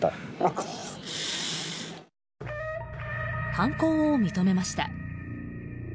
犯行を認めました。